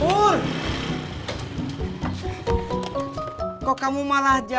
kan diizado kan kerabrik ya gimana sih ya